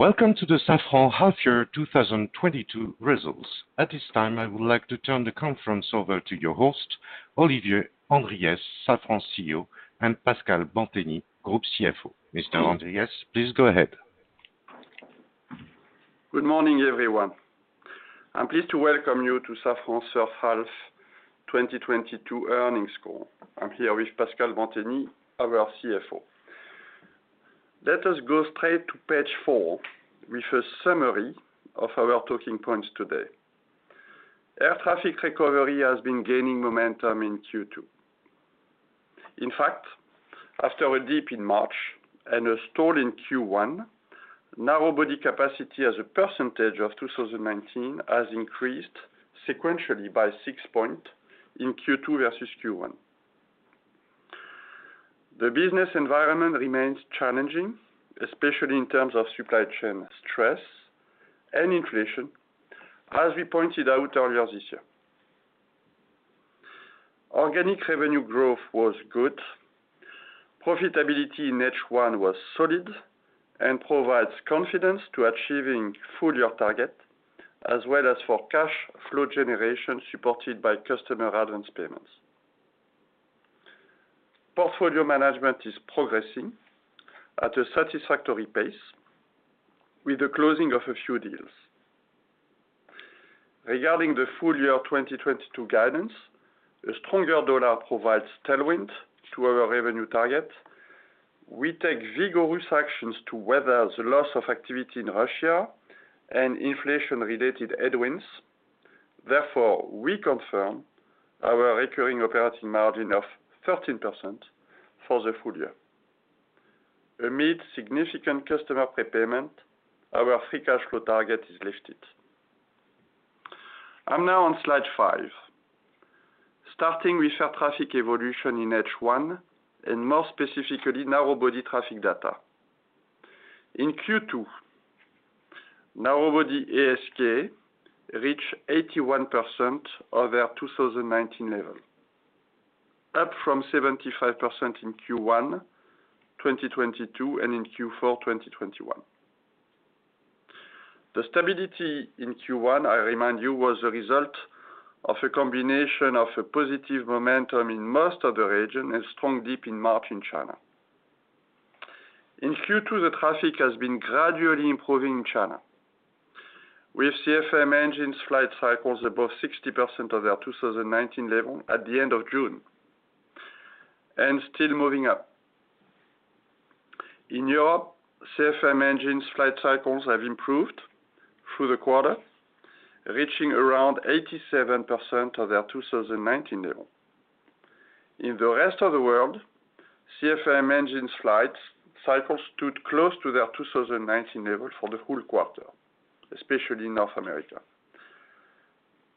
Welcome to the Safran half year 2022 results. At this time, I would like to turn the conference over to your host, Olivier Andriès, Safran CEO, and Pascal Bantegnie, group CFO. Mr. Andriès, please go ahead. Good morning, everyone. I'm pleased to welcome you to Safran's first half 2022 earnings call. I'm here with Pascal Bantegnie, our CFO. Let us go straight to page four, with a summary of our talking points today. Air traffic recovery has been gaining momentum in Q2. In fact, after a dip in March and a stall in Q1, narrow body capacity as a percentage of 2019 has increased sequentially by six points in Q2 versus Q1. The business environment remains challenging, especially in terms of supply chain stress and inflation, as we pointed out earlier this year. Organic revenue growth was good. Profitability in H1 was solid and provides confidence to achieving full year target as well as for cash flow generation supported by customer advance payments. Portfolio management is progressing at a satisfactory pace with the closing of a few deals. Regarding the full year 2022 guidance, a stronger dollar provides tailwind to our revenue target. We take vigorous actions to weather the loss of activity in Russia and inflation-related headwinds. Therefore, we confirm our recurring operating margin of 13% for the full year. Amid significant customer prepayment, our free cash flow target is lifted. I'm now on slide five. Starting with air traffic evolution in H1 and more specifically, narrow body traffic data. In Q2, narrow body ASK reached 81% over 2019 level, up from 75% in Q1 2022 and in Q4 2021. The stability in Q1, I remind you, was a result of a combination of a positive momentum in most of the region and strong dip in March in China. In Q2, the traffic has been gradually improving in China. With CFM engines flight cycles above 60% of their 2019 level at the end of June, and still moving up. In Europe, CFM engines flight cycles have improved through the quarter, reaching around 87% of their 2019 level. In the rest of the world, CFM engines flight cycles stood close to their 2019 level for the full quarter, especially in North America.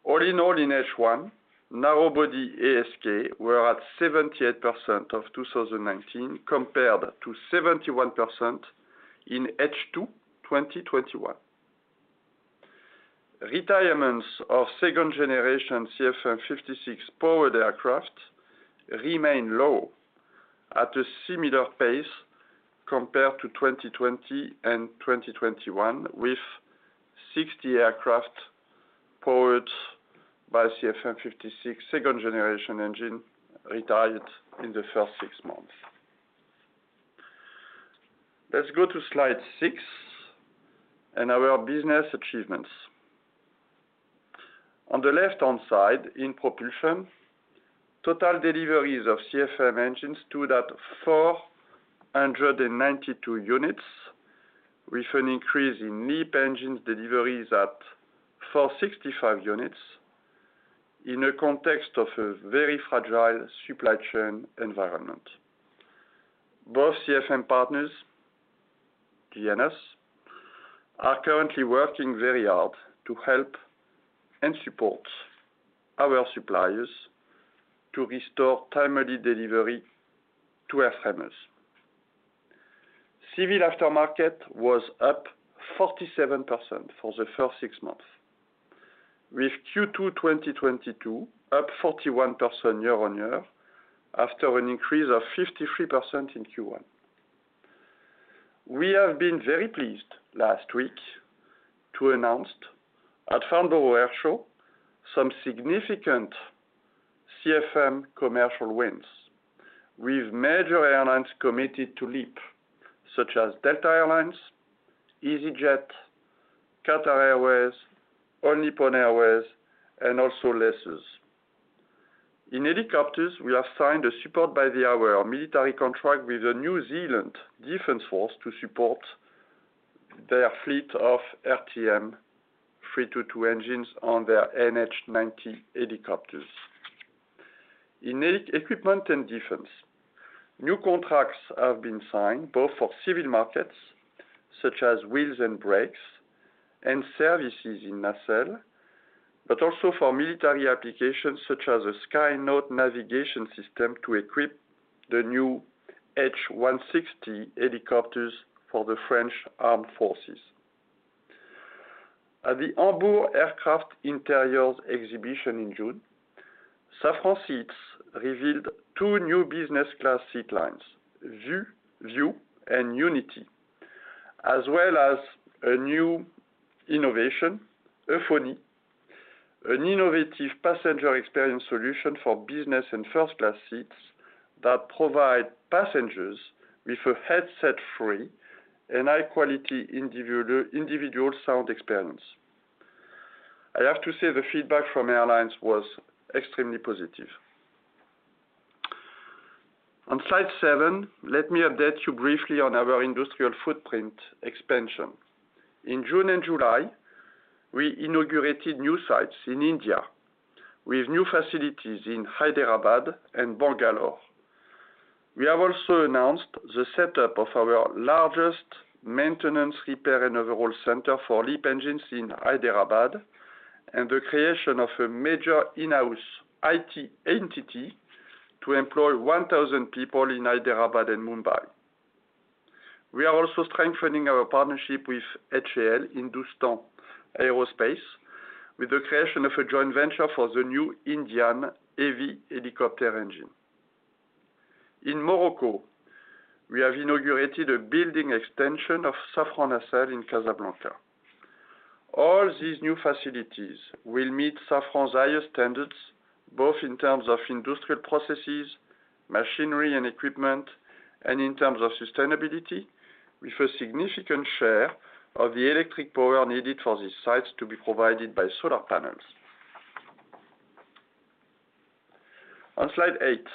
All in all, in H1, narrow body ASK were at 78% of 2019 compared to 71% in H2 2021. Retirements of second generation CFM56 powered aircraft remain low at a similar pace compared to 2020 and 2021 with 60 aircraft powered by CFM56 second generation engine retired in the first six months. Let's go to slide six and our business achievements. On the left-hand side in propulsion, total deliveries of CFM engines stood at 492 units, with an increase in LEAP engines deliveries at 465 units in a context of a very fragile supply chain environment. Both CFM partners, GE and Safran, are currently working very hard to help and support our suppliers to restore timely delivery to airframers. Civil aftermarket was up 47% for the first six months, with Q2 2022 up 41% year-on-year after an increase of 53% in Q1. We have been very pleased last week to announce at Farnborough Airshow some significant CFM commercial wins with major airlines committed to LEAP such as Delta Air Lines, easyJet, Qatar Airways, All Nippon Airways, and also lessors. In helicopters, we have signed a support by the hour military contract with the New Zealand Defense Force to support their fleet of RTM322 engines on their NH90 helicopters. In equipment and defense, new contracts have been signed both for civil markets such as wheels and brakes and services in Nacelle, but also for military applications such as a SkyNaute navigation system to equip the new H160 helicopters for the French Armed Forces. At the Hamburg Aircraft Interiors Exhibition in June, Safran Seats revealed two new business class seat lines, VUE and Unity, as well as a new innovation, Euphony, an innovative passenger experience solution for business and first class seats that provide passengers with a headset-free and high-quality individual sound experience. I have to say, the feedback from airlines was extremely positive. On slide seven, let me update you briefly on our industrial footprint expansion. In June and July, we inaugurated new sites in India with new facilities in Hyderabad and Bangalore. We have also announced the setup of our largest maintenance, repair, and overhaul center for LEAP engines in Hyderabad and the creation of a major in-house IT entity to employ 1,000 people in Hyderabad and Mumbai. We are also strengthening our partnership with HAL Hindustan Aeronautics Limited with the creation of a joint venture for the new Indian heavy helicopter engine. In Morocco, we have inaugurated a building extension of Safran Nacelles in Casablanca. All these new facilities will meet Safran's highest standards, both in terms of industrial processes, machinery and equipment, and in terms of sustainability, with a significant share of the electric power needed for these sites to be provided by solar panels. On slide eight,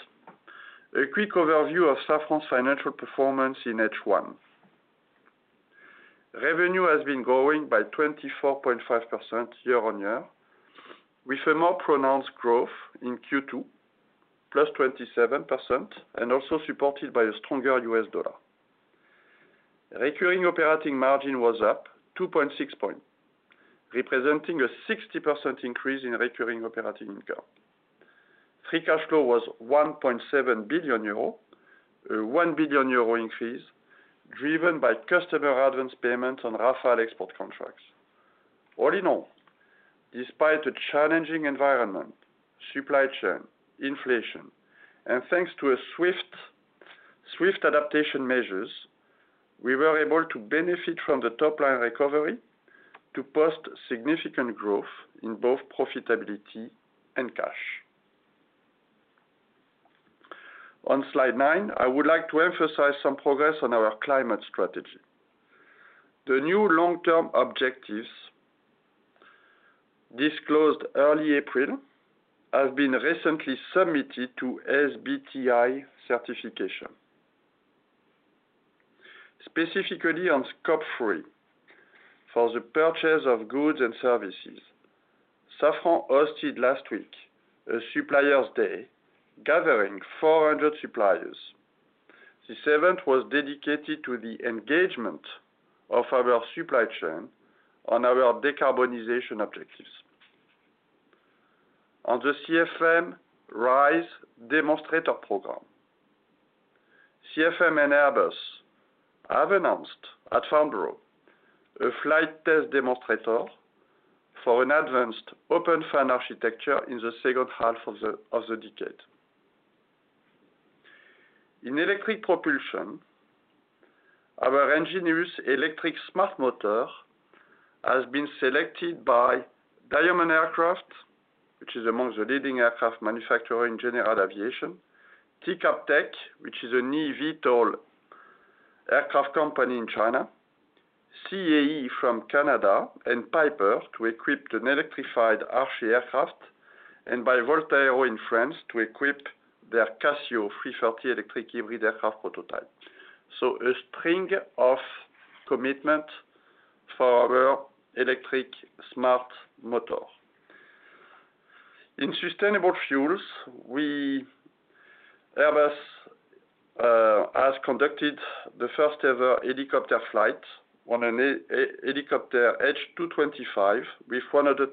a quick overview of Safran's financial performance in H1. Revenue has been growing by 24.5% year-on-year, with a more pronounced growth in Q2, +27%, and also supported by a stronger US dollar. Recurring operating margin was up 2.6 points, representing a 60% increase in recurring operating income. Free cash flow was 1.7 billion euro, a 1 billion euro increase driven by customer advance payments on Rafale export contracts. All in all, despite a challenging environment, supply chain, inflation, and thanks to a swift adaptation measures, we were able to benefit from the top line recovery to post significant growth in both profitability and cash. On slide nine, I would like to emphasize some progress on our climate strategy. The new long-term objectives disclosed early April have been recently submitted to SBTi certification. Specifically on scope three for the purchase of goods and services, Safran hosted last week a suppliers day, gathering 400 suppliers. This event was dedicated to the engagement of our supply chain on our decarbonization objectives. On the CFM RISE demonstrator program, CFM and Airbus have announced at Farnborough a flight test demonstrator for an advanced Open Fan architecture in the second half of the decade. In electric propulsion, our ENGINeUS electric smart motor has been selected by Diamond Aircraft, which is amongst the leading aircraft manufacturer in general aviation, TCab Tech, which is a new eVTOL aircraft company in China, CAE from Canada, and Piper to equip an electrified Archer aircraft, and by VoltAero in France to equip their Cassio 330 electric hybrid aircraft prototype. A string of commitments for our electric smart motor. In sustainable fuels, Airbus has conducted the first-ever helicopter flight on a helicopter H225 with 100%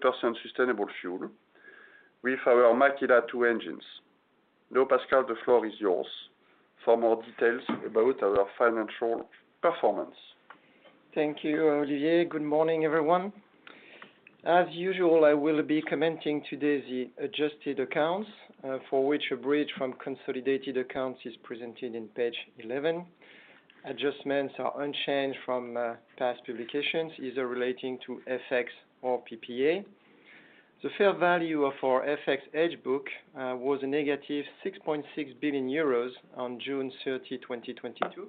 sustainable fuel with our Makila 2 engines. Now, Pascal, the floor is yours for more details about our financial performance. Thank you, Olivier. Good morning, everyone. As usual, I will be commenting today the adjusted accounts, for which a bridge from consolidated accounts is presented in page 11. Adjustments are unchanged from past publications, either relating to FX or PPA. The fair value of our FX hedge book was a negative 6.6 billion euros on June 30, 2022,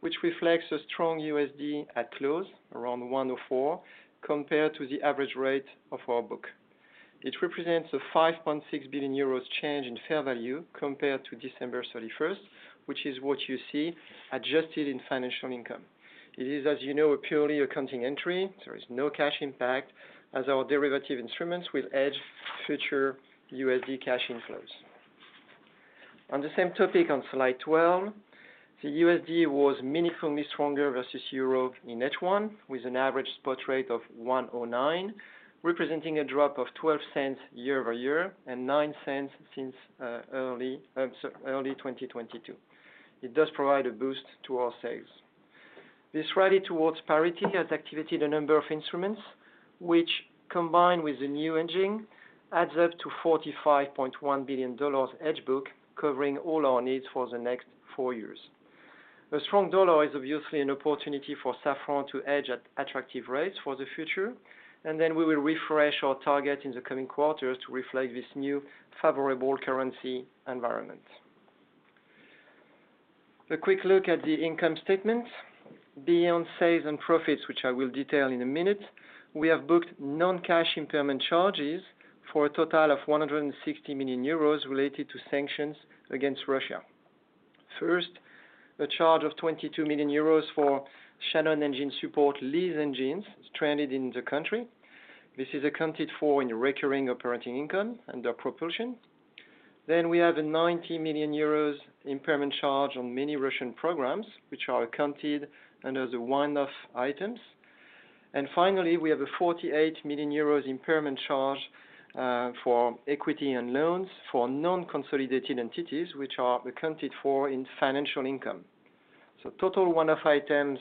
which reflects a strong USD at close around 1.04 compared to the average rate of our book. It represents a 5.6 billion euros change in fair value compared to December 31, which is what you see adjusted in financial income. It is, as you know, a purely accounting entry. There is no cash impact as our derivative instruments will hedge future USD cash inflows. On the same topic on slide 12, the USD was meaningfully stronger versus euro in H1, with an average spot rate of 1.09. Representing a drop of 12 cents year-over-year and nine cents since early 2022. It does provide a boost to our sales. This rally towards parity has activated a number of instruments, which combined with the new hedges, adds up to $45.1 billion hedge book covering all our needs for the next four years. The strong dollar is obviously an opportunity for Safran to hedge at attractive rates for the future, and then we will refresh our target in the coming quarters to reflect this new favorable currency environment. A quick look at the income statement. Beyond sales and profits, which I will detail in a minute, we have booked non-cash impairment charges for a total of 160 million euros related to sanctions against Russia. First, a charge of 22 million euros for Shannon Engine Support leased engines stranded in the country. This is accounted for in the recurring operating income under propulsion. We have a 90 million euros impairment charge on many Russian programs, which are accounted under the one-off items. Finally, we have a 48 million euros impairment charge for equity and loans for non-consolidated entities, which are accounted for in financial income. Total one-off items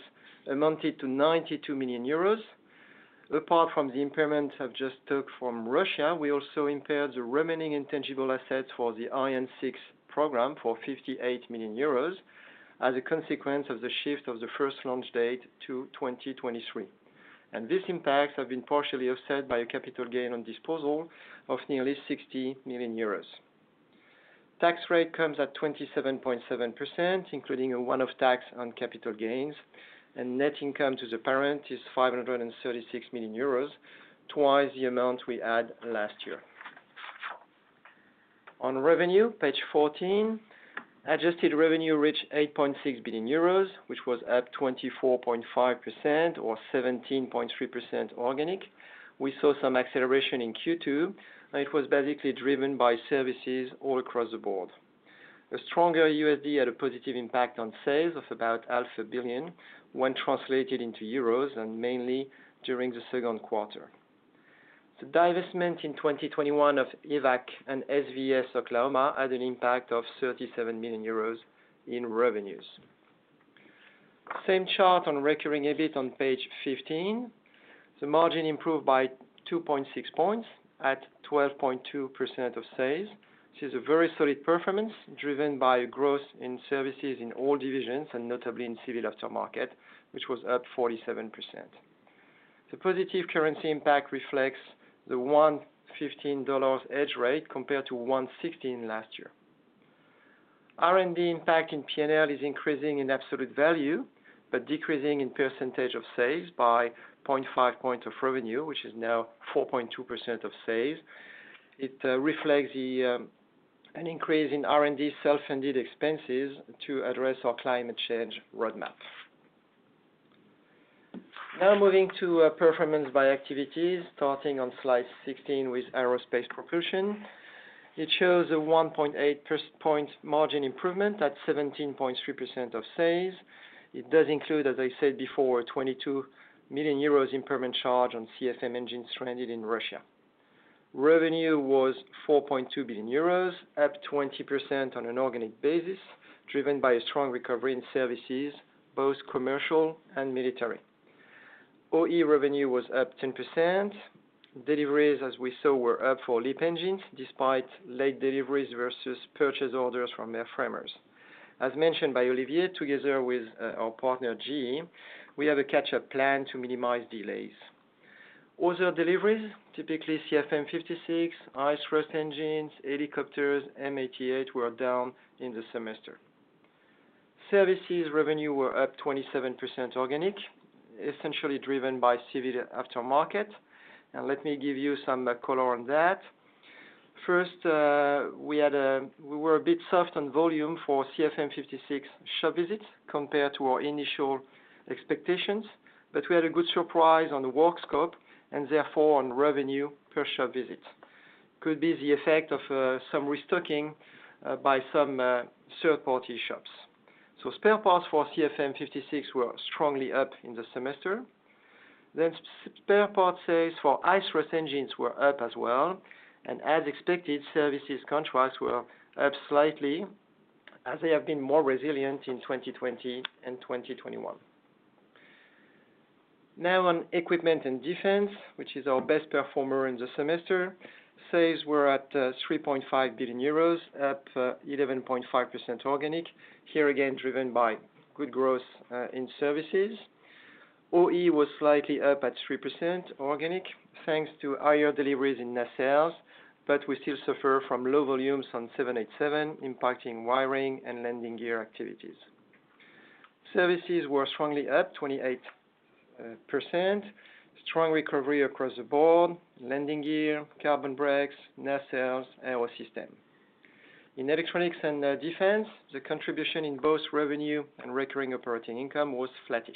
amounted to 92 million euros. Apart from the impairment I've just took from Russia, we also impaired the remaining intangible assets for the Ariane 6 program for 58 million euros as a consequence of the shift of the first launch date to 2023. This impacts have been partially offset by a capital gain on disposal of nearly 60 million euros. Tax rate comes at 27.7%, including a one-off tax on capital gains, and net income to the parent is 536 million euros, twice the amount we had last year. On revenue, page 14, adjusted revenue reached 8.6 billion euros, which was up 24.5% or 17.3% organic. We saw some acceleration in Q2, and it was basically driven by services all across the board. A stronger USD had a positive impact on sales of about EUR half a billion when translated into euros, and mainly during the second quarter. The divestment in 2021 of Evac and SVS Oklahoma had an impact of 37 million euros in revenues. Same chart on recurring EBIT on page 15. The margin improved by 2.6 points at 12.2% of sales. This is a very solid performance, driven by growth in services in all divisions, and notably in civil aftermarket, which was up 47%. The positive currency impact reflects the $1.15 exchange rate compared to 1.16 last year. R&D impact in P&L is increasing in absolute value, but decreasing in percentage of sales by 0.5 points of revenue, which is now 4.2% of sales. It reflects an increase in R&D self-funded expenses to address our climate change roadmap. Now moving to performance by activities, starting on slide 16 with aerospace propulsion. It shows a 1.8 point margin improvement at 17.3% of sales. It does include, as I said before, a 22 million euros impairment charge on CFM engines stranded in Russia. Revenue was 4.2 billion euros, up 20% on an organic basis, driven by a strong recovery in services, both commercial and military. OE revenue was up 10%. Deliveries, as we saw, were up for LEAP engines, despite late deliveries versus purchase orders from airframers. As mentioned by Olivier, together with our partner GE, we have a catch-up plan to minimize delays. Other deliveries, typically CFM56, high-thrust engines, helicopters, M88 were down in the semester. Services revenue were up 27% organic, essentially driven by civil aftermarket. Let me give you some color on that. First, we were a bit soft on volume for CFM56 shop visits compared to our initial expectations, but we had a good surprise on the work scope and therefore on revenue per shop visit. Could be the effect of some restocking by some third-party shops. Spare parts for CFM56 were strongly up in the semester. Spare parts sales for high-thrust engines were up as well, and as expected, services contracts were up slightly as they have been more resilient in 2020 and 2021. Now on equipment & defense, which is our best performer in the semester. Sales were at 3.5 billion euros, up 11.5% organic. Here again, driven by good growth in services. OE was slightly up at 3% organic, thanks to higher deliveries in Nacelles, but we still suffer from low volumes on 787, impacting wiring and landing gear activities. Services were strongly up 28%. Strong recovery across the board, landing gear, carbon brakes, Nacelles, Aerosystems. In electronics and defense, the contribution in both revenue and recurring operating income was flattish.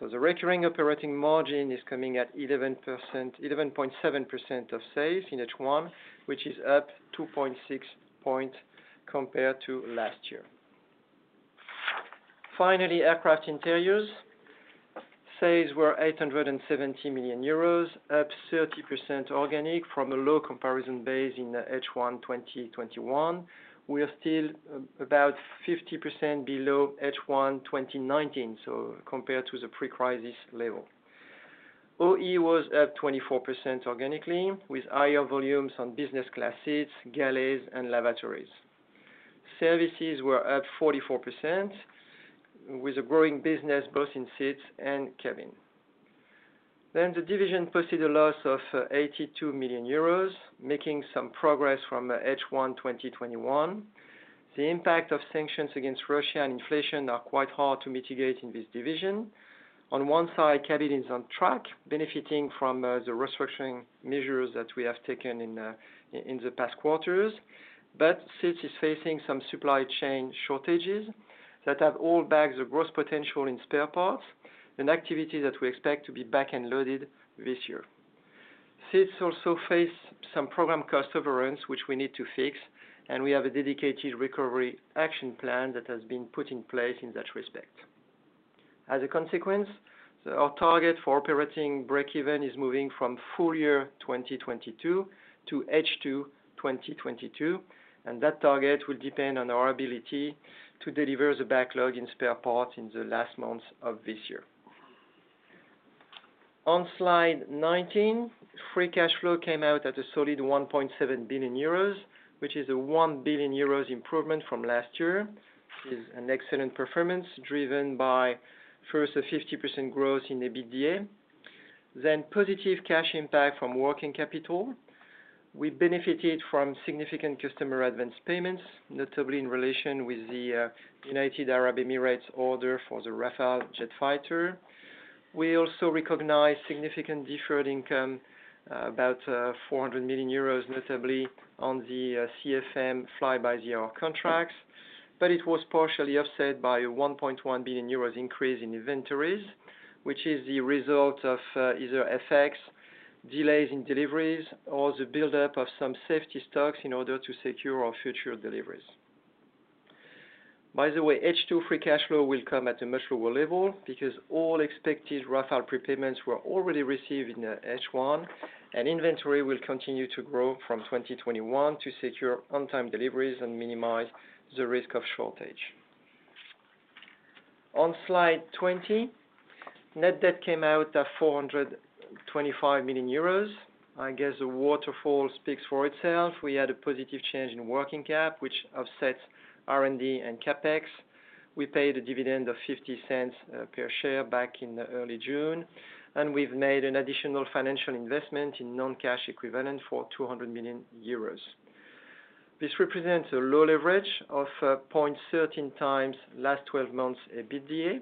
The recurring operating margin is coming at 11%, 11.7% of sales in H1, which is up 2.6 points compared to last year. Finally, Aircraft Interiors. Sales were 870 million euros, up 30% organic from a low comparison base in H1 2021. We are still about 50% below H1 2019, so compared to the pre-crisis level. OE was at 24% organically, with higher volumes on business class seats, galleys and lavatories. Services were at 44% with a growing business both in seats and cabin. The division posted a loss of 82 million euros, making some progress from H1 2021. The impact of sanctions against Russia and inflation are quite hard to mitigate in this division. On one side, cabin is on track, benefiting from the restructuring measures that we have taken in the past quarters, but since it's facing some supply chain shortages that have hampered the growth potential in spare parts and activity that we expect to be back-end loaded this year. Seats also face some program cost overruns, which we need to fix, and we have a dedicated recovery action plan that has been put in place in that respect. As a consequence, our target for operating break-even is moving from full year 2022 to H2 2022, and that target will depend on our ability to deliver the backlog in spare parts in the last months of this year. On slide 19, free cash flow came out at a solid 1.7 billion euros, which is a 1 billion euros improvement from last year. It is an excellent performance, driven by, first, a 50% growth in EBITDA, then positive cash impact from working capital. We benefited from significant customer advance payments, notably in relation with the United Arab Emirates order for the Rafale jet fighter. We also recognized significant deferred income, about 400 million euros, notably on the CFM flight-by-the-hour contracts. It was partially offset by 1.1 billion euros increase in inventories, which is the result of weather effects, delays in deliveries, or the buildup of some safety stocks in order to secure our future deliveries. By the way, H2 free cash flow will come at a much lower level because all expected Rafale prepayments were already received in H1, and inventory will continue to grow from 2021 to secure on-time deliveries and minimize the risk of shortage. On slide 20, net debt came out at 425 million euros. I guess the waterfall speaks for itself. We had a positive change in working cap, which offsets R&D and CapEx. We paid a dividend of 0.50 per share back in early June, and we've made an additional financial investment in non-cash equivalent for 200 million euros. This represents a low leverage of 0.13 times last twelve months EBITDA,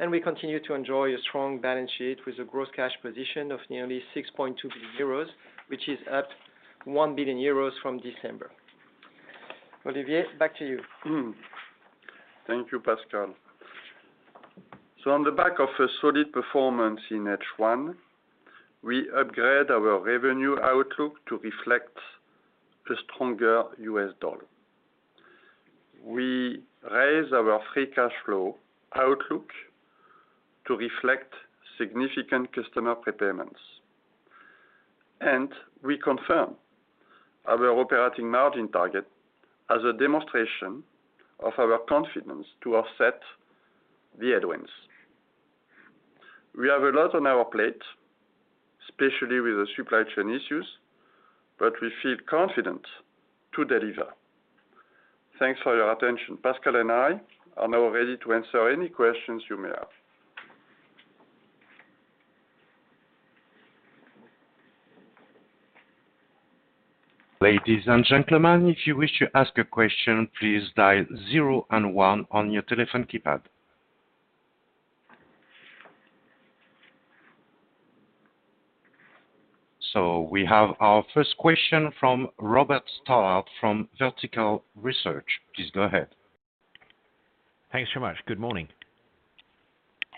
and we continue to enjoy a strong balance sheet with a gross cash position of nearly 6.2 billion euros, which is up 1 billion euros from December. Olivier, back to you. Thank you, Pascal. On the back of a solid performance in H1, we upgrade our revenue outlook to reflect a stronger US dollar. We raise our free cash flow outlook to reflect significant customer prepayments. We confirm our operating margin target as a demonstration of our confidence to offset the headwinds. We have a lot on our plate, especially with the supply chain issues, but we feel confident to deliver. Thanks for your attention. Pascal and I are now ready to answer any questions you may have. Ladies and gentlemen, if you wish to ask a question, please dial zero and one on your telephone keypad. We have our first question from Robert Stallard from Vertical Research. Please go ahead. Thanks very much. Good morning.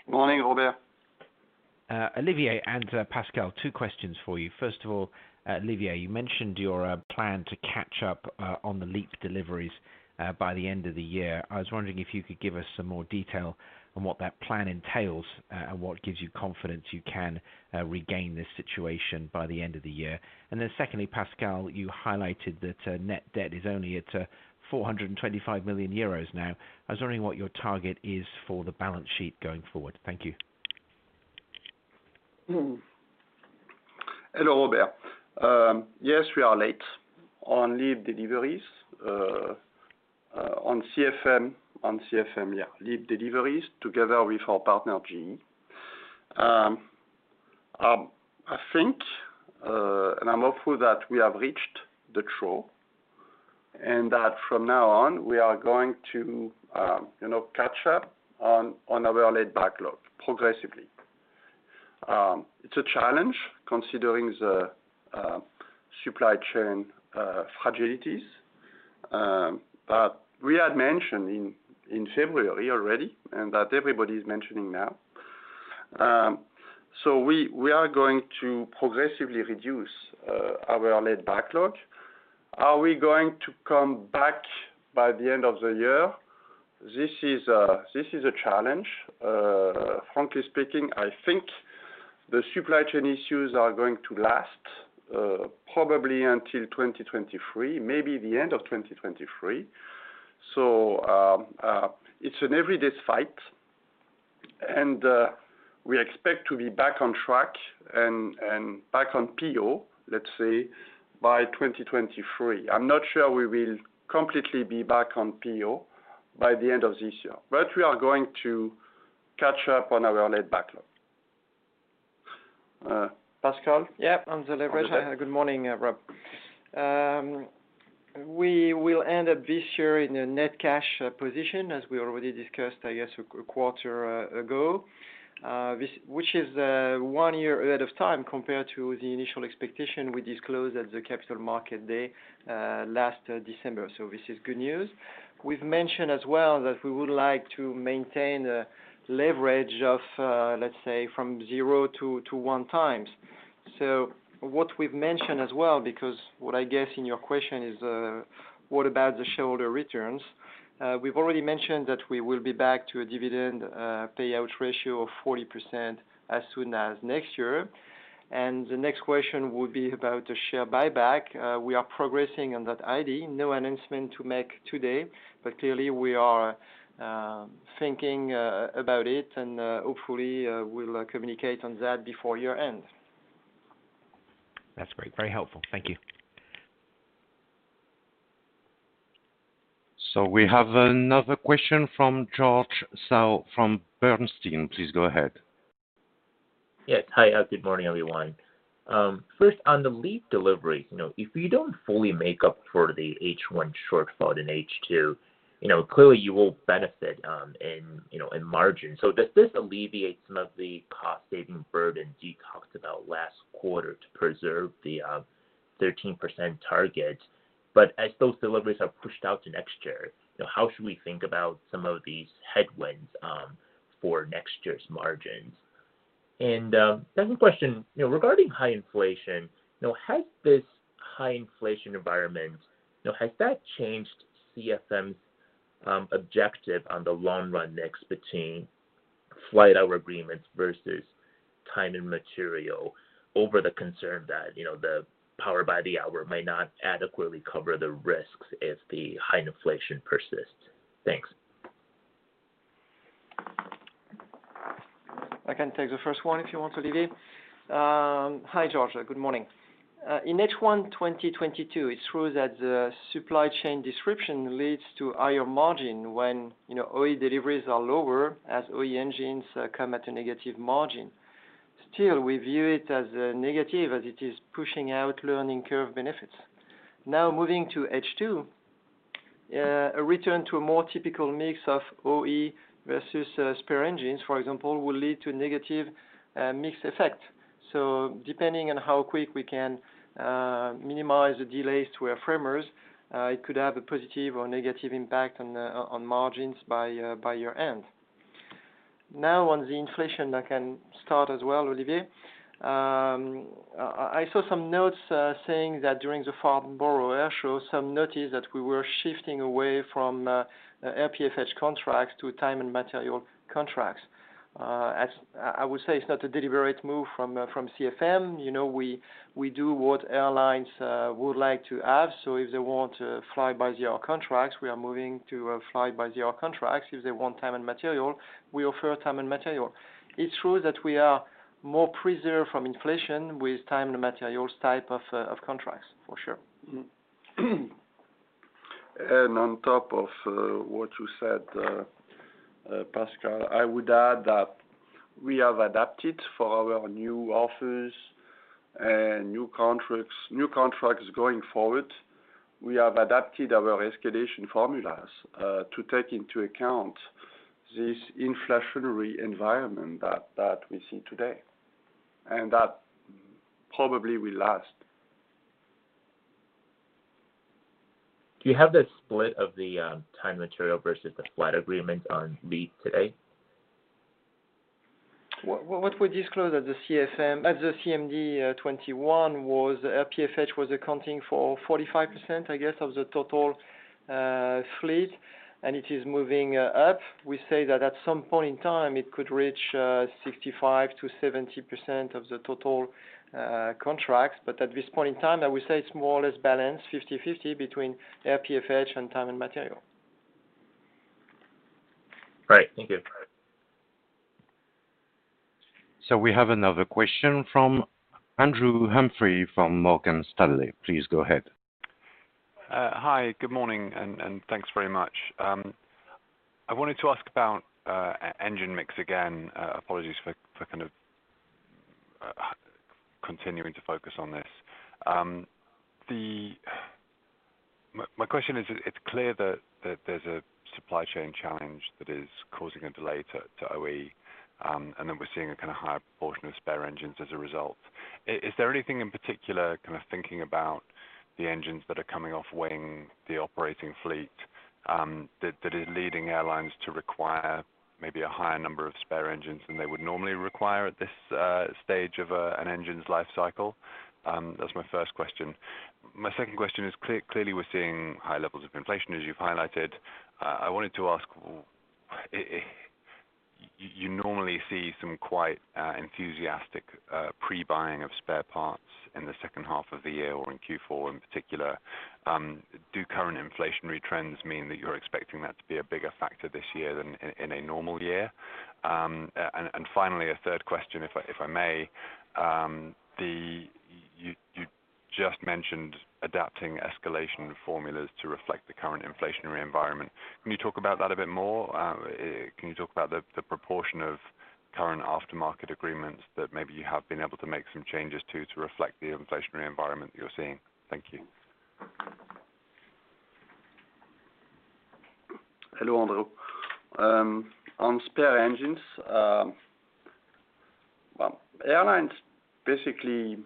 Morning, Robert. Olivier and Pascal, two questions for you. First of all, Olivier, you mentioned your plan to catch up on the LEAP deliveries by the end of the year. I was wondering if you could give us some more detail on what that plan entails, and what gives you confidence you can regain this situation by the end of the year. Secondly, Pascal, you highlighted that net debt is only at 425 million euros now. I was wondering what your target is for the balance sheet going forward. Thank you. Hello, Robert. Yes, we are late on LEAP deliveries on CFM, yeah, LEAP deliveries together with our partner, GE. I think, and I'm hopeful that we have reached the trough, and that from now on, we are going to catch up on our LEAP backlog progressively. It's a challenge considering the supply chain fragilities. We had mentioned in February already, and that everybody is mentioning now, that so we are going to progressively reduce our LEAP backlog. Are we going to come back by the end of the year? This is a challenge. Frankly speaking, I think the supply chain issues are going to last probably until 2023, maybe the end of 2023. It's an everyday fight and we expect to be back on track and back on PO, let's say, by 2023. I'm not sure we will completely be back on PO by the end of this year, but we are going to catch up on our lead backlog. Pascal? Yeah. On the leverage. Good morning, Rob. We will end up this year in a net cash position, as we already discussed, I guess, a quarter ago. This, which is one year ahead of time compared to the initial expectation we disclosed at the Capital Markets Day last December. This is good news. We've mentioned as well that we would like to maintain a leverage of, let's say, from zero to one times. What we've mentioned as well, because what I guess in your question is, what about the shareholder returns? We've already mentioned that we will be back to a dividend payout ratio of 40% as soon as next year. The next question would be about the share buyback. We are progressing on that it. No announcement to make today, but clearly we are thinking about it and hopefully we'll communicate on that before year-end. That's great. Very helpful. Thank you. We have another question from George Zhao from Bernstein. Please go ahead. Yes. Hi. Good morning, everyone. First, on the LEAP delivery, you know, if you don't fully make up for the H1 shortfall in H2, you know, clearly you will benefit, in, you know, in margin. Does this alleviate some of the cost saving burden you talked about last quarter to preserve the 13% target? As those deliveries are pushed out to next year, you know, how should we think about some of these headwinds, for next year's margins? Second question, you know, regarding high inflation, you know, has this high inflation environment, you know, has that changed CFM's objective on the long run mix between flight hour agreements versus time and material over the concern that, you know, the power by the hour may not adequately cover the risks if the high inflation persists? Thanks. I can take the first one if you want, Olivier. Hi, George. Good morning. In H1 2022, it's true that the supply chain disruption leads to higher margin when, you know, OE deliveries are lower as OE engines come at a negative margin. Still, we view it as a negative as it is pushing out learning curve benefits. Now moving to H2, a return to a more typical mix of OE versus spare engines, for example, will lead to a negative mixed effect. Depending on how quick we can minimize the delays to our airframers, it could have a positive or negative impact on margins by year-end. Now on the inflation, I can start as well, Olivier. I saw some notes saying that during the Farnborough Airshow, some noticed that we were shifting away from FPFH contracts to time and material contracts. As I would say, it's not a deliberate move from CFM. You know, we do what airlines would like to have. If they want to flight-by-the-hour contracts, we are moving to a flight-by-the-hour contracts. If they want time and material, we offer time and material. It's true that we are more preserved from inflation with time and materials type of contracts, for sure. On top of what you said, Pascal, I would add that we have adapted for our new offers and new contracts going forward. We have adapted our escalation formulas to take into account this inflationary environment that we see today, and that probably will last. Do you have the split of the time & material versus the flight agreement on LEAP today? What we disclosed at the CMD 2021 was FPFH was accounting for 45%, I guess, of the total fleet, and it is moving up. We say that at some point in time, it could reach 65%-70% of the total contracts. At this point in time, I would say it's more or less balanced 50/50 between FPFH and time and material. Great. Thank you. We have another question from Andrew Humphrey from Morgan Stanley. Please go ahead. Hi. Good morning, and thanks very much. I wanted to ask about engine mix again. Apologies for kind of continuing to focus on this. My question is, it's clear that there's a supply chain challenge that is causing a delay to OE, and then we're seeing a kind of higher proportion of spare engines as a result. Is there anything in particular kind of thinking about the engines that are coming off wing, the operating fleet? That is leading airlines to require maybe a higher number of spare engines than they would normally require at this stage of an engine's life cycle. That's my first question. My second question is clearly we're seeing high levels of inflation, as you've highlighted. I wanted to ask. You normally see some quite enthusiastic pre-buying of spare parts in the second half of the year or in Q4 in particular. Do current inflationary trends mean that you're expecting that to be a bigger factor this year than in a normal year? And finally, a third question if I may. You just mentioned adapting escalation formulas to reflect the current inflationary environment. Can you talk about that a bit more? Can you talk about the proportion of current aftermarket agreements that maybe you have been able to make some changes to reflect the inflationary environment you're seeing? Thank you. Hello, Andrew. On spare engines, well, airlines, basically,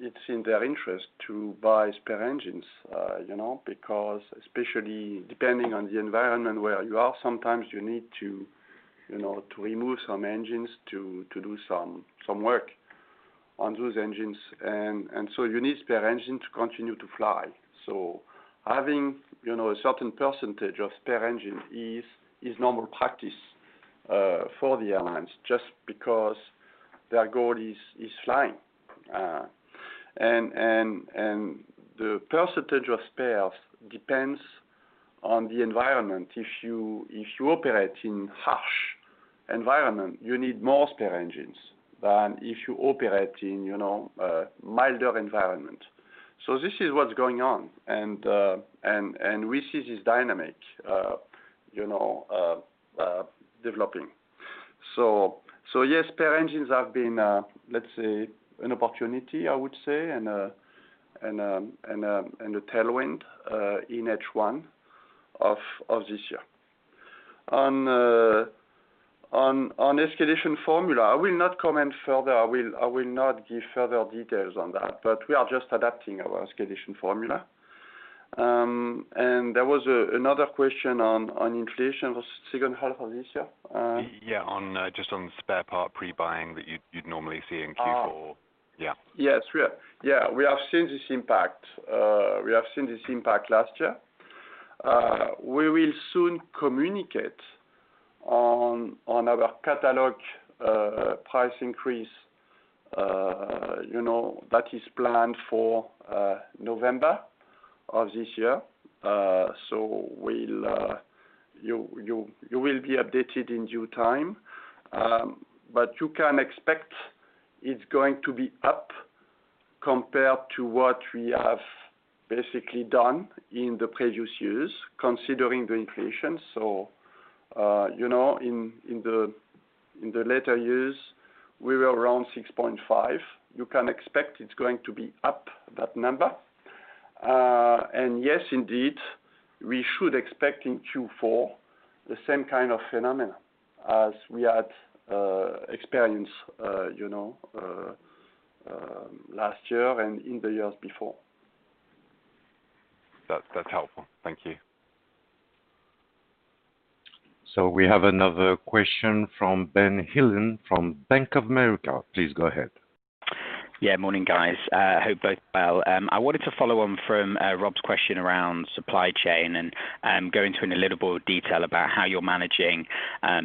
it's in their interest to buy spare engines, you know, because especially depending on the environment where you are, sometimes you need to, you know, remove some engines to do some work on those engines. So you need spare engine to continue to fly. Having, you know, a certain percentage of spare engine is normal practice for the airlines, just because their goal is flying. The percentage of spares depends on the environment. If you operate in harsh environment, you need more spare engines than if you operate in, you know, a milder environment. This is what's going on, and we see this dynamic, you know, developing. Yes, spare engines have been, let's say, an opportunity, I would say, and a tailwind, in H1 of this year. On escalation formula, I will not comment further. I will not give further details on that, but we are just adapting our escalation formula. There was another question on inflation for second half of this year. Yeah, just on spare part pre-buying that you'd normally see in Q4. Ah. Yeah. We have seen this impact last year. We will soon communicate on our catalog price increase, you know, that is planned for November of this year. You will be updated in due time. You can expect it's going to be up compared to what we have basically done in the previous years, considering the inflation. You know, in the later years, we were around 6.5%. You can expect it's going to be up that number. Yes, indeed, we should expect in Q4 the same kind of phenomena as we had experienced, you know, last year and in the years before. That, that's helpful. Thank you. We have another question from Ben Heelan from Bank of America. Please go ahead. Yeah, morning, guys. Hope both well. I wanted to follow on from Rob's question around supply chain and go into a little more detail about how you're managing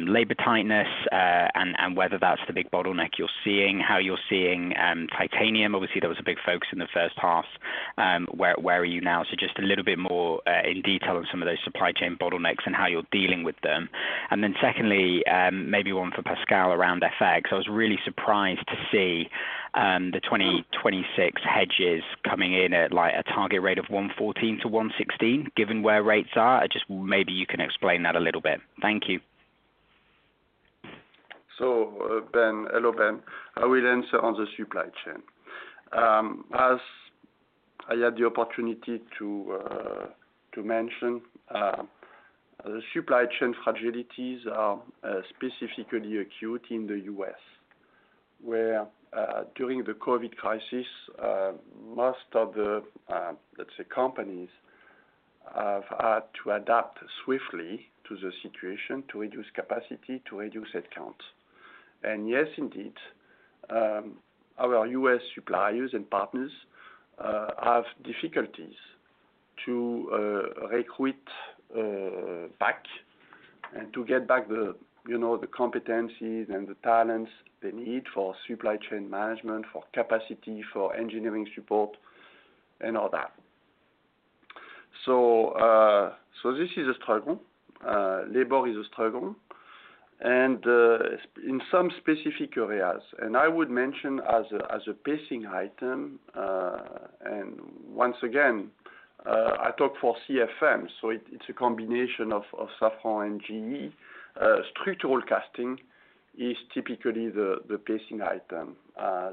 labor tightness and whether that's the big bottleneck you're seeing, how you're seeing titanium. Obviously, there was a big focus in the first half. Where are you now? Just a little bit more in detail on some of those supply chain bottlenecks and how you're dealing with them. Secondly, maybe one for Pascal around FX. I was really surprised to see the 2026 hedges coming in at, like, a target rate of 1.14-1.16, given where rates are. Just maybe you can explain that a little bit. Thank you. Ben. Hello, Ben. I will answer on the supply chain. As I had the opportunity to mention, supply chain fragilities are specifically acute in the U.S., where, during the COVID crisis, most of the, let's say companies have had to adapt swiftly to the situation to reduce capacity, to reduce headcount. Yes, indeed, our U.S. suppliers and partners have difficulties to recruit back and to get back the, you know, the competencies and the talents they need for supply chain management, for capacity, for engineering support and all that. This is a struggle. Labor is a struggle. In some specific areas, I would mention as a pacing item, and once again, I talk for CFM, so it's a combination of Safran and GE. Structural casting is typically the pacing item.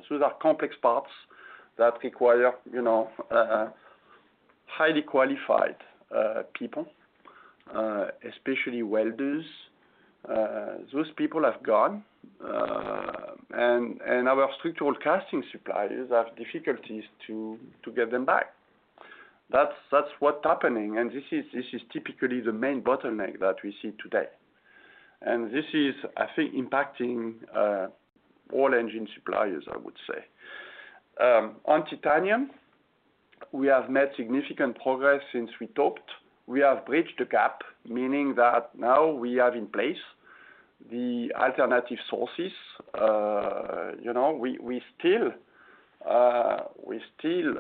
So they are complex parts that require, you know, highly qualified people, especially welders. Those people have gone, and our structural casting suppliers have difficulties to get them back. That's what's happening, and this is typically the main bottleneck that we see today. This is, I think, impacting all engine suppliers, I would say. On titanium, we have made significant progress since we talked. We have bridged the gap, meaning that now we have in place the alternative sources. You know, we still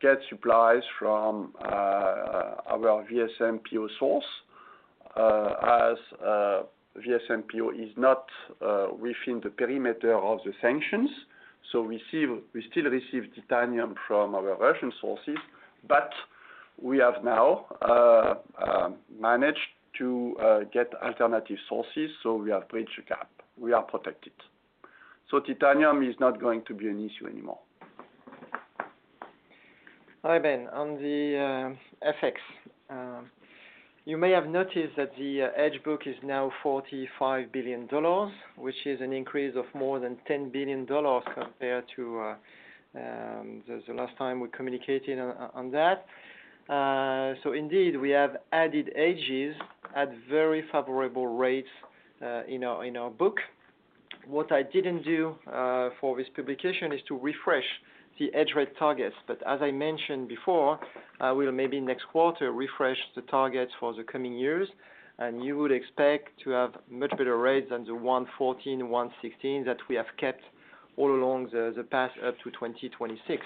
get supplies from our VSMPO source, as VSMPO is not within the perimeter of the sanctions. We still receive titanium from our Russian sources, but we have now managed to get alternative sources, so we have bridged the gap. We are protected. Titanium is not going to be an issue anymore. Hi, Ben. On the FX, you may have noticed that the hedge book is now $45 billion, which is an increase of more than $10 billion compared to the last time we communicated on that. Indeed, we have added hedges at very favorable rates in our book. What I didn't do for this publication is to refresh the hedge rate targets. As I mentioned before, I will maybe next quarter refresh the targets for the coming years, and you would expect to have much better rates than the 1.14, 1.16 that we have kept all along the path up to 2026.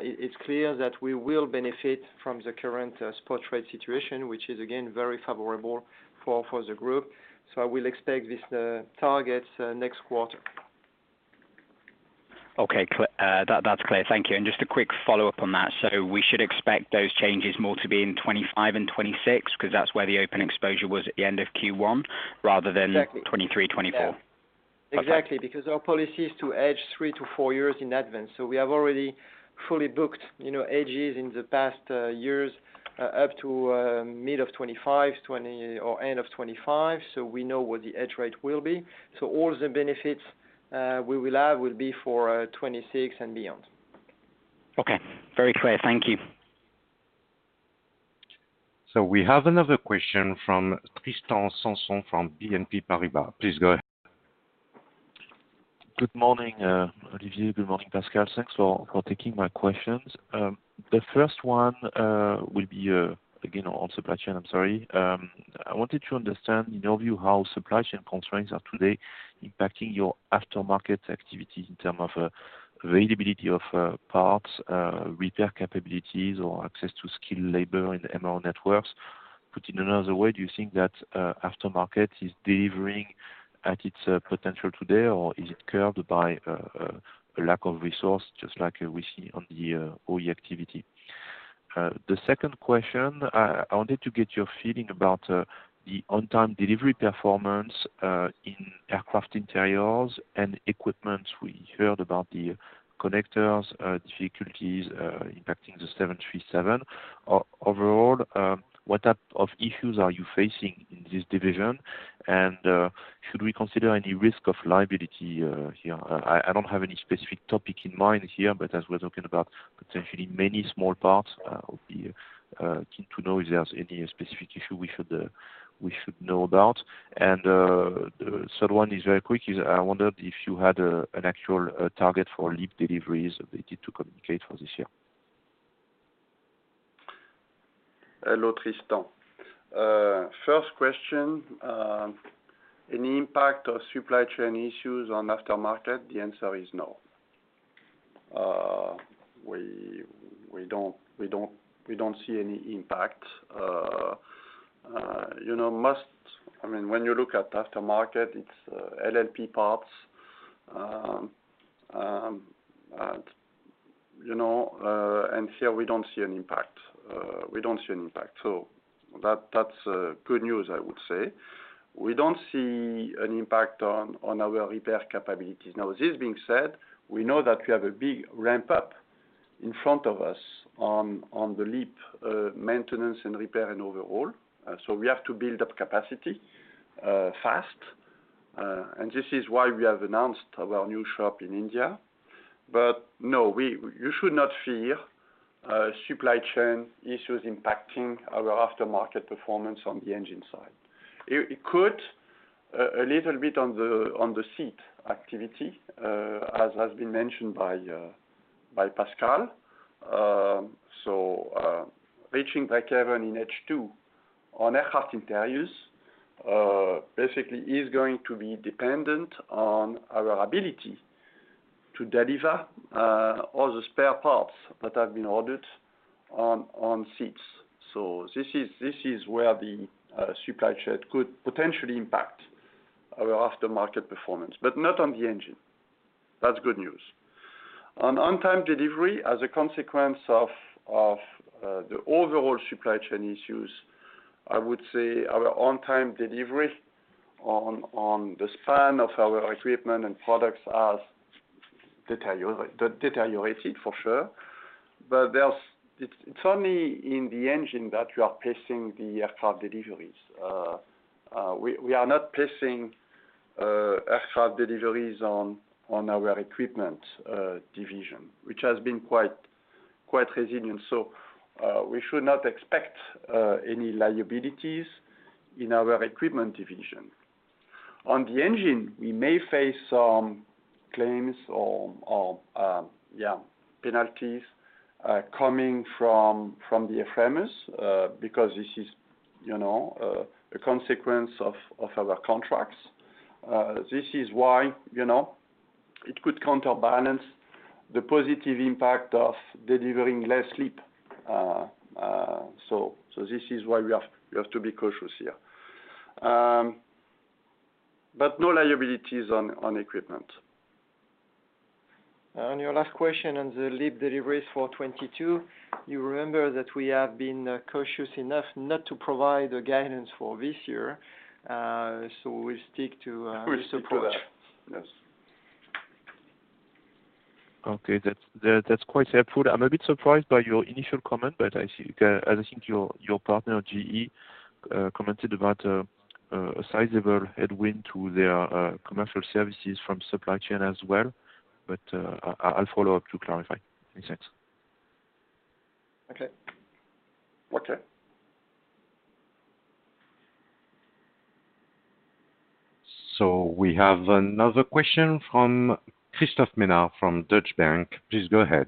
It's clear that we will benefit from the current spot rate situation, which is again very favorable for the group. I will expect these targets next quarter. Okay. That's clear. Thank you. Just a quick follow-up on that. We should expect those changes more to be in 2025 and 2026, 'cause that's where the open exposure was at the end of Q1, rather than- Exactly. 2023, 2024. Yeah. Okay. Exactly. Because our policy is to hedge three to four years in advance. We have already fully booked, you know, hedges in the past years up to mid of 2025 or end of 2025, so we know what the hedge rate will be. All the benefits we will have will be for 2026 and beyond. Okay. Very clear. Thank you. We have another question from Tristan Sanson from BNP Paribas. Please go ahead. Good morning, Olivier. Good morning, Pascal. Thanks for taking my questions. The first one will be again on supply chain. I'm sorry. I wanted to understand, in your view, how supply chain constraints are today impacting your aftermarket activity in terms of availability of parts, repair capabilities, or access to skilled labor in the MRO networks. Put in another way, do you think that aftermarket is delivering at its potential today, or is it curbed by a lack of resource, just like we see on the OE activity? The second question I wanted to get your feeling about the on-time delivery performance in aircraft interiors and equipment. We heard about the connectors difficulties impacting the 737. Overall, what type of issues are you facing in this division? Should we consider any risk of liability here? I don't have any specific topic in mind here, but as we're talking about potentially many small parts, I would be keen to know if there's any specific issue we should know about. The third one is very quick. I wondered if you had an actual target for LEAP deliveries ability to communicate for this year? Hello, Tristan. First question, any impact of supply chain issues on aftermarket? The answer is no. We don't see any impact. You know, I mean, when you look at aftermarket, it's LLP parts. And you know, here we don't see an impact. We don't see an impact. That's good news, I would say. We don't see an impact on our repair capabilities. Now this being said, we know that we have a big ramp up in front of us on the LEAP maintenance and repair and overhaul. We have to build up capacity fast. This is why we have announced our new shop in India. No, you should not fear supply chain issues impacting our aftermarket performance on the engine side. It could a little bit on the seat activity, as has been mentioned by Pascal. Reaching break-even in H2 on aircraft interiors basically is going to be dependent on our ability to deliver all the spare parts that have been ordered on seats. This is where the supply chain could potentially impact our aftermarket performance, but not on the engine. That's good news. On-time delivery, as a consequence of the overall supply chain issues, I would say our on-time delivery on the span of our equipment and products has deteriorated for sure. It's only in the engine that you are placing the aircraft deliveries. We are not placing aircraft deliveries on our equipment division, which has been quite resilient. We should not expect any liabilities in our equipment division. On the engine, we may face some claims or penalties coming from the OEMs because this is, you know, a consequence of our contracts. This is why, you know, it could counterbalance the positive impact of delivering less LEAP. This is why we have to be cautious here. No liabilities on equipment. On your last question on the LEAP deliveries for 2022, you remember that we have been cautious enough not to provide a guidance for this year, so we'll stick to this approach. We support that. Yes. Okay. That's quite helpful. I'm a bit surprised by your initial comment, but I see. As I think your partner, GE, commented about a sizable headwind to their commercial services from supply chain as well. I'll follow up to clarify. Thanks. Okay. Okay. We have another question from Christophe Menard from Deutsche Bank. Please go ahead.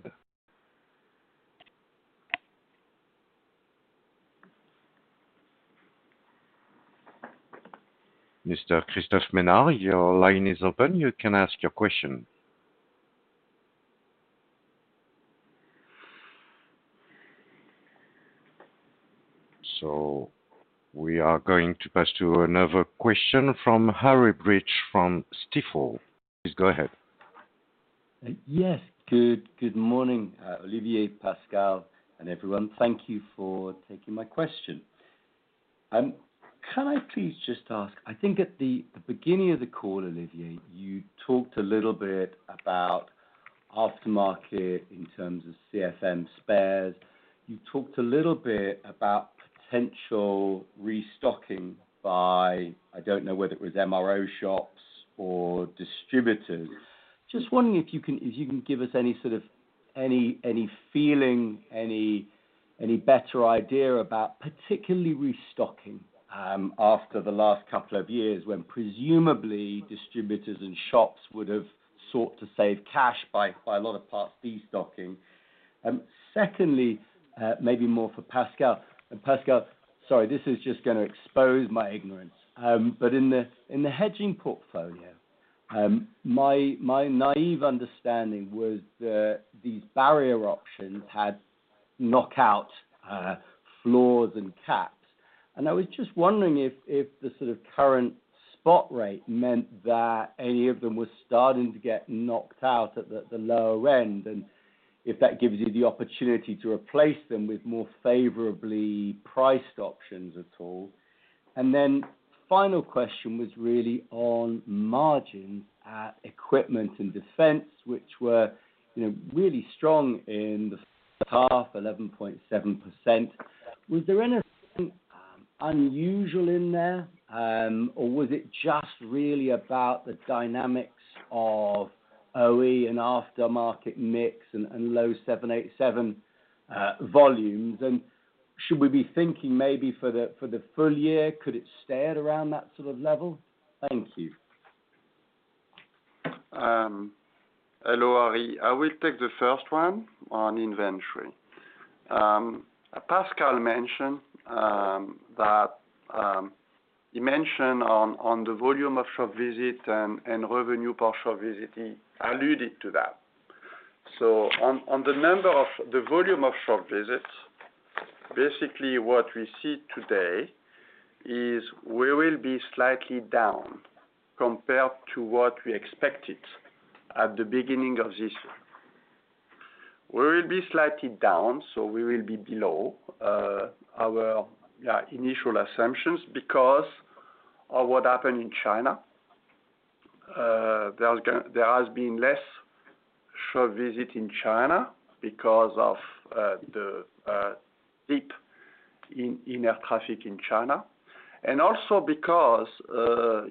Mr. Christophe Menard, your line is open. You can ask your question. We are going to pass to another question from Harry Breach from Stifel. Please go ahead. Yes. Good morning, Olivier, Pascal, and everyone. Thank you for taking my question. Can I please just ask, I think at the beginning of the call, Olivier, you talked a little bit about aftermarket in terms of CFM spares. You talked a little bit about potential restocking by, I don't know whether it was MRO shops or distributors. Just wondering if you can give us any sort of feeling, any better idea about particularly restocking after the last couple of years, when presumably distributors and shops would have sought to save cash by a lot of parts destocking. Secondly, maybe more for Pascal. Pascal, sorry, this is just gonna expose my ignorance. In the hedging portfolio, my naive understanding was that these barrier options had knock out floors and caps. I was just wondering if the sort of current spot rate meant that any of them were starting to get knocked out at the lower end, and if that gives you the opportunity to replace them with more favorably priced options at all. Then final question was really on margins at equipment and defense, which were, you know, really strong in the first half, 11.7%. Was there anything unusual in there, or was it just really about the dynamics of OE and aftermarket mix and low 787 volumes? Should we be thinking maybe for the full year, could it stay at around that sort of level? Thank you. Hello, Harry. I will take the first one on inventory. Pascal mentioned that he mentioned on the volume of shop visit and revenue per shop visit. He alluded to that. On the number of the volume of shop visits, basically what we see today is we will be slightly down compared to what we expected at the beginning of this year. We will be slightly down, so we will be below our initial assumptions because of what happened in China. There has been less shop visit in China because of the dip in air traffic in China. Also because,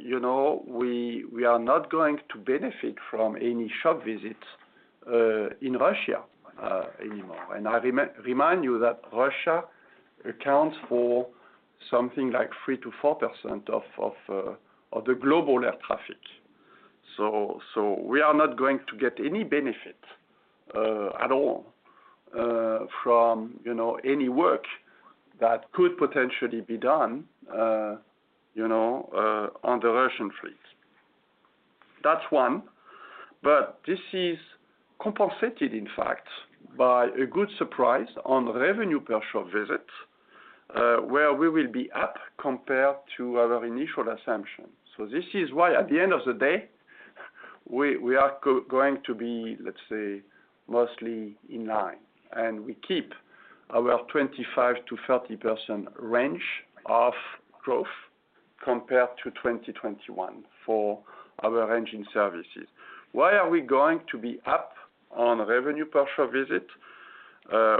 you know, we are not going to benefit from any shop visits in Russia anymore. I remind you that Russia accounts for something like 3%-4% of the global air traffic. We are not going to get any benefit at all from, you know, any work that could potentially be done, you know, on the Russian fleets. That's one. This is compensated, in fact, by a good surprise on revenue per shop visit, where we will be up compared to our initial assumption. This is why, at the end of the day, we are going to be, let's say, mostly in line. We keep our 25%-30% range of growth compared to 2021 for our engine services. Why are we going to be up on revenue per shop visit?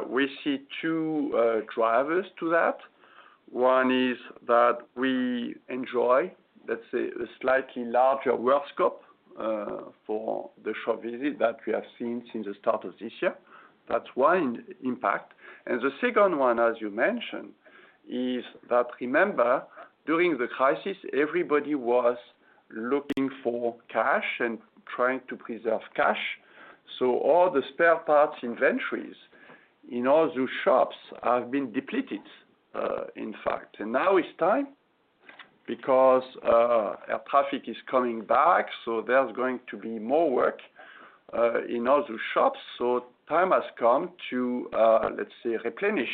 We see two drivers to that. One is that we enjoy, let's say, a slightly larger work scope for the shop visit that we have seen since the start of this year. That's one impact. The second one, as you mentioned, is that, remember, during the crisis, everybody was looking for cash and trying to preserve cash. All the spare parts inventories in all those shops have been depleted, in fact. Now it's time because our traffic is coming back, so there's going to be more work in all those shops. Time has come to, let's say, replenish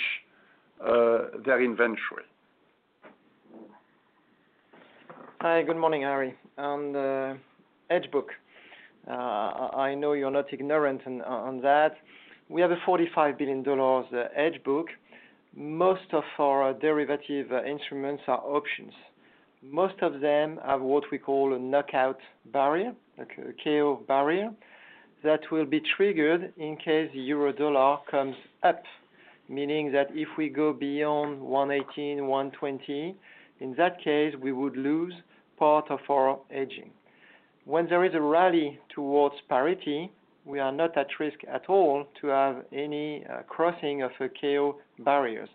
their inventory. Hi, good morning, Harry. On the hedge book, I know you're not ignorant on that. We have a $45 billion hedge book. Most of our derivative instruments are options. Most of them have what we call a knock-out barrier, like a knock-out barrier, that will be triggered in case Eurodollar comes up. Meaning that if we go beyond 1.18, 1.20, in that case, we would lose part of our hedging. When there is a rally towards parity, we are not at risk at all to have any crossing of the KO barriers.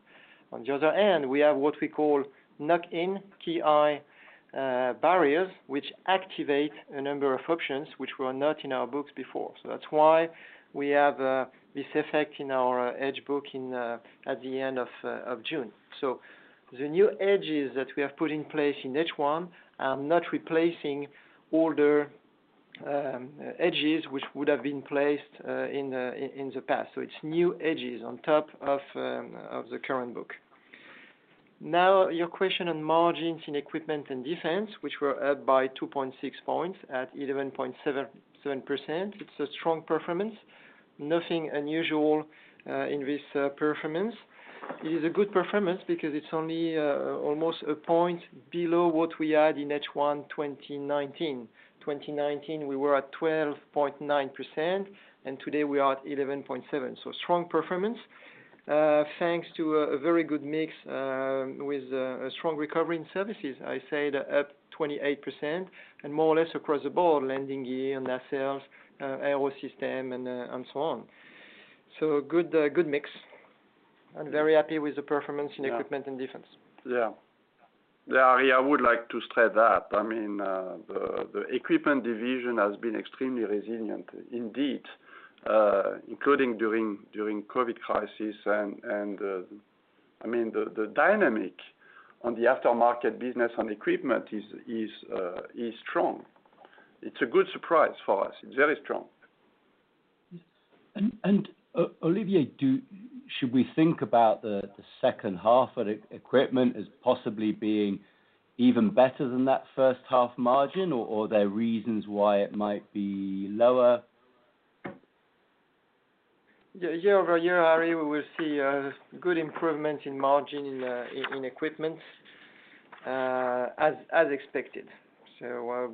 On the other hand, we have what we call knock-in, KI, barriers, which activate a number of options which were not in our books before. That's why we have this effect in our hedge book at the end of June. The new hedges that we have put in place in H1 are not replacing older hedges which would have been placed in the past. It's new hedges on top of the current book. Now, your question on margins in equipment and defense, which were up by 2.6 points at 11.77%. It's a strong performance. Nothing unusual in this performance. It is a good performance because it's only almost a point below what we had in H1 2019. 2019, we were at 12.9%, and today we are at 11.7%. Strong performance thanks to a very good mix with a strong recovery in services. I say that up 28% and more or less across the board, landing gear, nacelles, Aerosystems, and so on. Good mix. I'm very happy with the performance in equipment and defense. Yeah. Yeah, Harry, I would like to state that. I mean, the equipment division has been extremely resilient indeed, including during COVID crisis. I mean, the dynamic on the aftermarket business on equipment is strong. It's a good surprise for us. It's very strong. Olivier, should we think about the second half of equipment as possibly being even better than that first half margin or are there reasons why it might be lower? Yeah, year-over-year, Harry, we will see a good improvement in margin in equipment, as expected.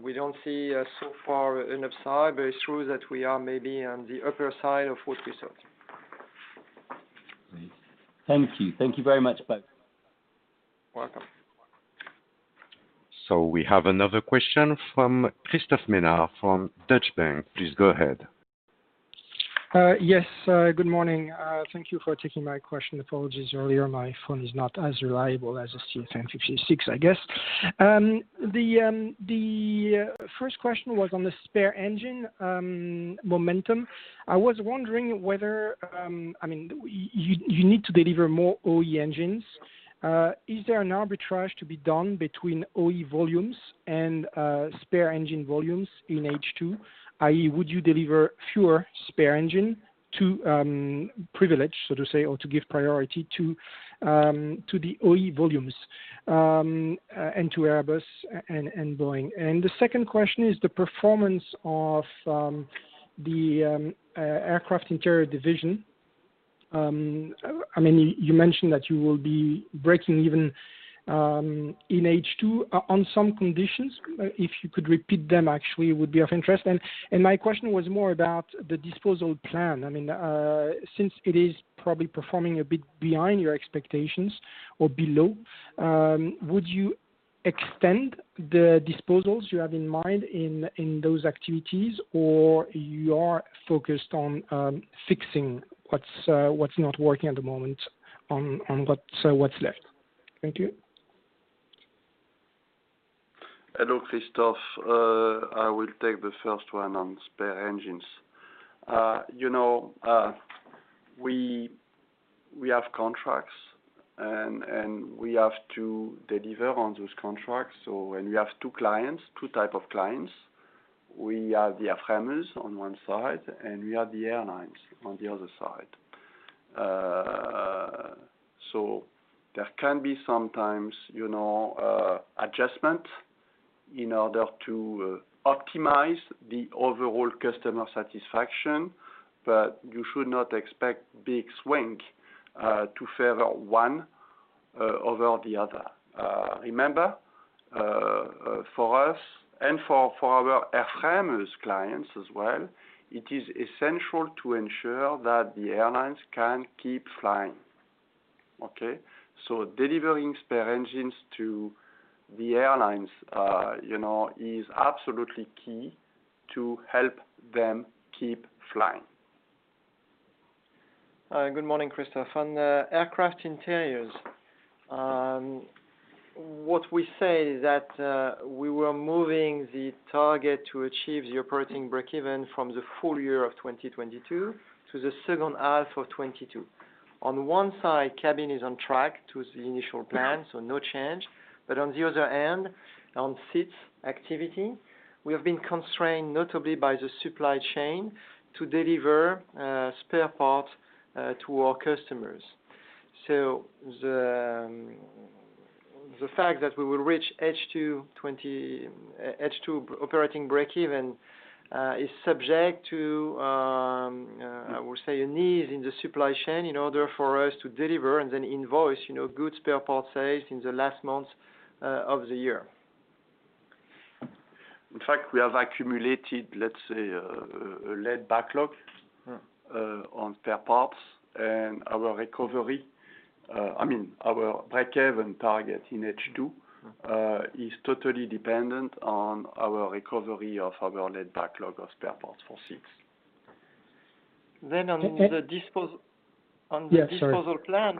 We don't see so far an upside, but it's true that we are maybe on the upper side of what we thought. Thank you. Thank you very much, both. Welcome. We have another question from Christophe Menard from Deutsche Bank. Please go ahead. Yes, good morning. Thank you for taking my question. Apologies earlier. My phone is not as reliable as a CFM56, I guess. The first question was on the spare engine momentum. I was wondering whether, I mean, you need to deliver more OE engines. Is there an arbitrage to be done between OE volumes and spare engine volumes in H2? i.e., would you deliver fewer spare engine to privilege, so to say, or to give priority to the OE volumes and to Airbus and Boeing? The second question is the performance of the aircraft interior division. I mean, you mentioned that you will be breaking even in H2 on some conditions. If you could repeat them, actually, it would be of interest. My question was more about the disposal plan. I mean, since it is probably performing a bit behind your expectations or below, would you extend the disposals you have in mind in those activities or you are focused on fixing what's not working at the moment, so what's left? Thank you. Hello, Christophe. I will take the first one on spare engines. You know, we have contracts and we have to deliver on those contracts. When you have two clients, two types of clients, we have the airframers on one side, and we have the airlines on the other side. There can be sometimes, you know, adjustment in order to optimize the overall customer satisfaction, but you should not expect big swing to favor one over the other. Remember, for us and for our Air France clients as well, it is essential to ensure that the airlines can keep flying. Okay. Delivering spare engines to the airlines, you know, is absolutely key to help them keep flying. Good morning, Christophe. On aircraft interiors, what we say is that we were moving the target to achieve the operating breakeven from the full year of 2022 to the second half of 2022. On one side, cabin is on track to the initial plan, so no change. On the other hand, on seats activity, we have been constrained notably by the supply chain to deliver spare parts to our customers. The fact that we will reach H2 operating breakeven is subject to, I would say, a need in the supply chain in order for us to deliver and then invoice, you know, good spare parts sales in the last months of the year. In fact, we have accumulated, let's say, a LEAP backlog. Mm. On spare parts and our recovery. I mean, our breakeven target in H2- Mm. Is totally dependent on our recovery of our lead backlog of spare parts for seats. Then on the dispos- Yes, sorry. On the disposal plan,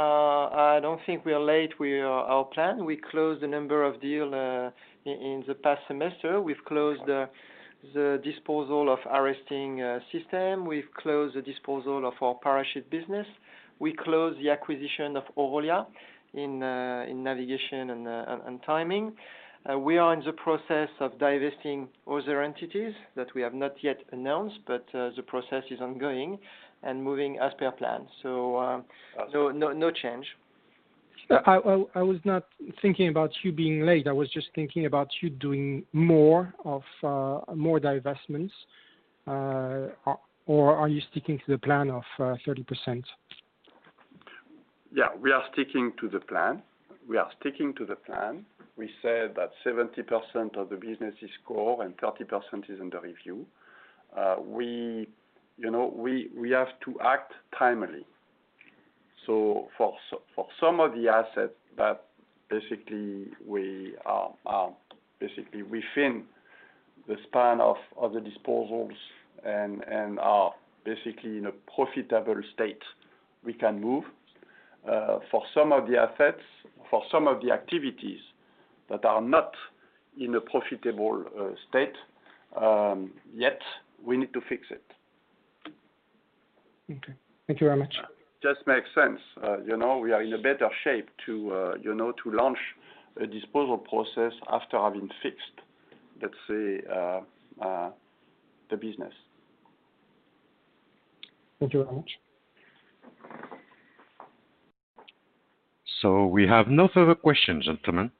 I don't think we are late with our plan. We closed a number of deals in the past semester. We've closed the disposal of Arresting Systems. We've closed the disposal of our parachute business. We closed the acquisition of Orolia in navigation and timing. We are in the process of divesting other entities that we have not yet announced, but the process is ongoing and moving as per plan. No change. I was not thinking about you being late. I was just thinking about you doing more of, more divestments. Are you sticking to the plan of 30%? Yeah, we are sticking to the plan. We said that 70% of the business is growth and 30% is under review. You know, we have to act timely. For some of the assets that basically we are basically within the span of the disposals and are basically in a profitable state, we can move. For some of the assets, for some of the activities that are not in a profitable state yet, we need to fix it. Okay. Thank you very much. Just makes sense. You know, we are in a better shape to, you know, to launch a disposal process after having fixed, let's say, the business. Thank you very much. We have no further questions, gentlemen.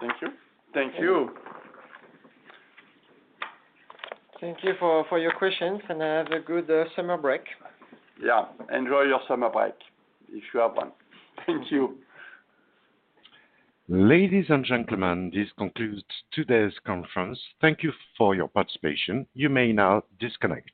Thank you. Thank you. Thank you for your questions, and have a good summer break. Yeah. Enjoy your summer break if you have one. Thank you. Ladies and gentlemen, this concludes today's conference. Thank you for your participation. You may now disconnect.